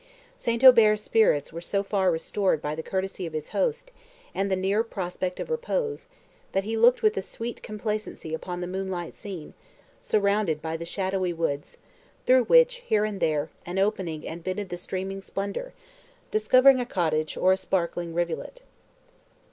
St. Aubert's spirits were so far restored by the courtesy of his host, and the near prospect of repose, that he looked with a sweet complacency upon the moonlight scene, surrounded by the shadowy woods, through which, here and there, an opening admitted the streaming splendour, discovering a cottage, or a sparkling rivulet.